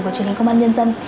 của truyền hình công an nhân dân